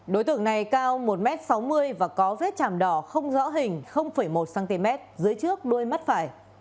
đối tượng này cao một m sáu mươi và có vết chàm đỏ không rõ hình một cm dưới trước đuôi mắt phải